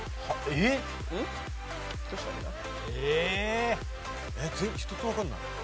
えっ１つもわかんない。